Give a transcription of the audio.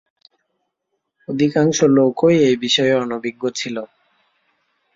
অধিকাংশ লোকই এই বিষয়ে অনভিজ্ঞ ছিল।